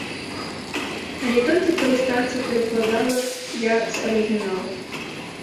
Але толькі карыстацца, перакладала я з арыгіналу.